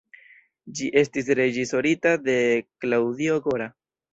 Ĝi estis reĝisorita de Claudio Gora.